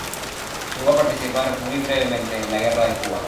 Llegó a participar, muy brevemente, en la guerra de Cuba.